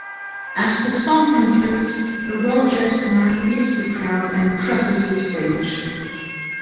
As the song concludes, a well-dressed man leaves the crowd and crosses the stage.